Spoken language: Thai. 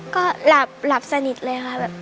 ก็หลับสนิทเลยค่ะ